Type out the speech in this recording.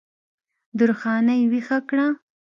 درخانۍ ویښه کړه